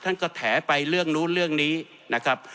ท่านก็แถไปเรื่องนู้นเรื่องนี้นะครับ